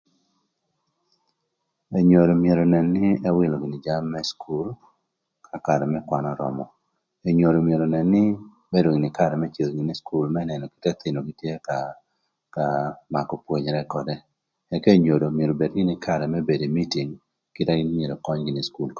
Enyodo myero önën nï ëwïlö gïnï jami më cukul ka karë më kwan örömö enyodo myero önën nï ebedo gïnï kï karë më cïdhö gïnï ï cukul më nënö kit n'ëthïnögï tye ka ka makö pwonyere ködë ëka enyodo myero obed gïnï kï karë më bedo ï mïtïng kite na gïn myero ëköny gïnï kï cukul ködë.